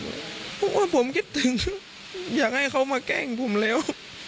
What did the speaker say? เพราะว่าผมคิดถึงอยากให้เขามาแกล้งผมแล้ว